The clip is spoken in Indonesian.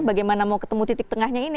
bagaimana mau ketemu titik tengahnya ini